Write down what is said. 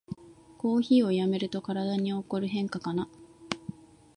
コーヒーをやめると体に起こる変化かな